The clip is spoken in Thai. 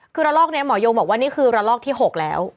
คือระลอกนี้หมอยงบอกว่านี่คือระลอกที่๖แล้ว